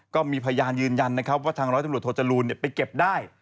ก็มีพยานยืนยันว่าทางรถจังหลวดโทจรูลไปเก็บได้